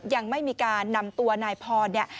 ยังไม่มีการนำตัวนายพรเนี่ย